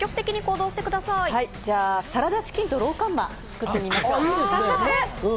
サラダチキンとローカンマを作ってみましょう。